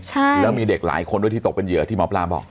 ใช่แล้วมีเด็กหลายคนด้วยที่ตกเป็นเหยื่อที่หมอปลาบอก